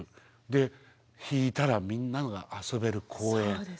で引いたらみんなが遊べる公園。